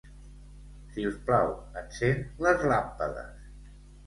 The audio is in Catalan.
Si us plau, encén les làmpades.